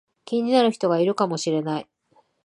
気になる人がいるかもしれない